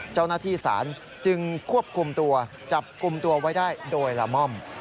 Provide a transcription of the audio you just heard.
เจ้าหน้าที่ศาลจึงควบคุมตัวจับกลุ่มตัวไว้ได้โดยละม่อม